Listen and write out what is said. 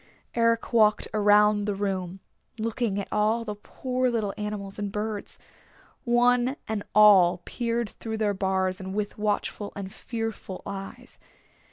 Eric walked around the room, looking at all the poor little animals and birds. One and all peered through their bars with watchful and fearful eyes.